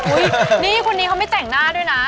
นี่คนนี้เขาไม่แต่งหน้าด้วยนะ